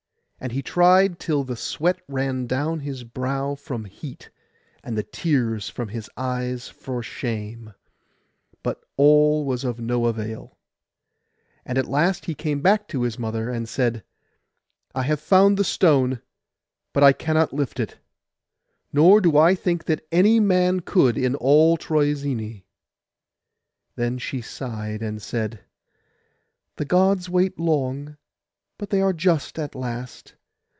And he tried till the sweat ran down his brow from heat, and the tears from his eyes for shame; but all was of no avail. And at last he came back to his mother, and said, 'I have found the stone, but I cannot lift it; nor do I think that any man could in all Troezene.' Then she sighed, and said, 'The Gods wait long; but they are just at last.